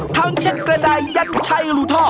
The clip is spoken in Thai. ทั้งเช็ดกระดายยัดไช่รูท่อ